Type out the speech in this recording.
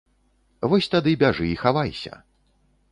Вось тады бяжы і хавайся.